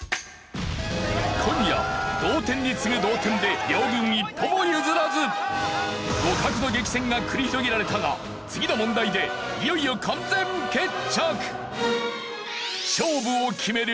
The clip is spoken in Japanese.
今夜同点に次ぐ同点で互角の激戦が繰り広げられたが次の問題でいよいよ完全決着！